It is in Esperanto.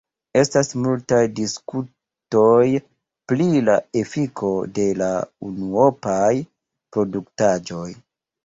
Estas multaj diskutoj pri la efiko de la unuopaj produktaĵoj.